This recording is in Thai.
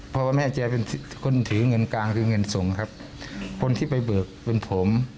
เพราะว่าแม่แกเป็นคนถือเงินกลางคือเงินส่งครับคนที่ไปเบิกเป็นผม